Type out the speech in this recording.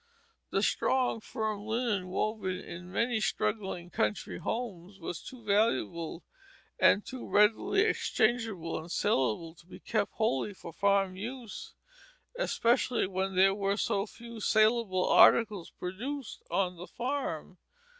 The strong, firm linen woven in many struggling country homes was too valuable and too readily exchangeable and salable to be kept wholly for farm use, especially when there were so few salable articles produced on the farm.